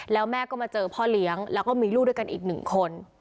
แล้วแม่ก็มาเจอพ่อเลี้ยงแล้วก็มีลูกด้วยกันอีกหนึ่งคน